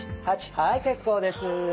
はい結構です。